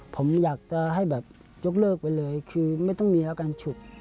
ผมอยากจะให้แบบยกเลิกไปเลยคือไม่ต้องมีอาการฉุด